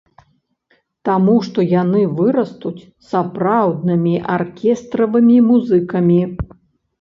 Таму што яны вырастуць сапраўднымі аркестравымі музыкамі.